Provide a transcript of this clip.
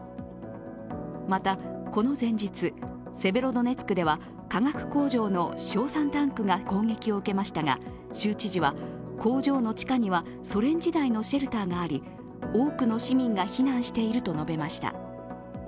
また、この前日、セベロドネツクでは化学工場の硝酸タンクが攻撃を受けましたが州知事は、工場の地下にはソ連時代のシェルターがあり多くの市民が避難していると述べました。